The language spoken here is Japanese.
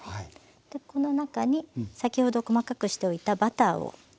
この中に先ほど細かくしておいたバターを入れます。